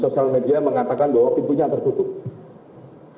sosial media mengatakan bahwa pintunya tertutup